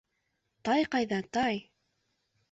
Тай ҡайҙа, тай?